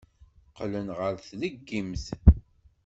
Qqlen ɣer tleggimt.